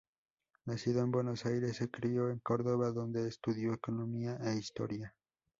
Nacido en Buenos Aires se crio en Córdoba, donde estudió economía e historia.